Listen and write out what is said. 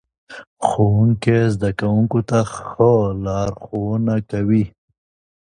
ښوونکی زده کوونکو ته ښه لارښوونه کوي